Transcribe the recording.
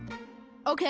オッケー！